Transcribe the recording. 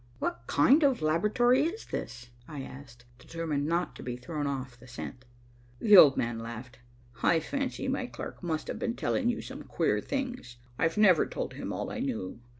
"What kind of laboratory is this?" I asked, determined not to be thrown off the scent. The old man laughed. "I fancy my clerk must have been telling you some queer things. I've never told him all I knew.